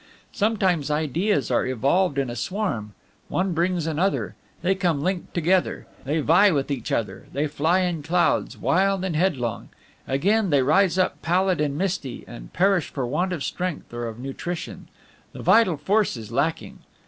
Sometimes ideas are evolved in a swarm; one brings another; they come linked together; they vie with each other; they fly in clouds, wild and headlong. Again, they rise up pallid and misty, and perish for want of strength or of nutrition; the vital force is lacking.